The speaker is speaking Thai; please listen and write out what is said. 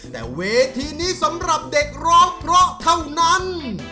แต่เวทีนี้สำหรับเด็กร้องเพราะเท่านั้น